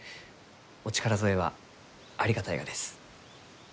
お力添えはありがたいがです。